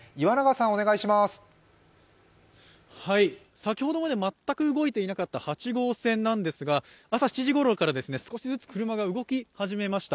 先ほどまで全く動いていなかった８号線なんですが、朝７時ごろから少しずつ車が動き始めました。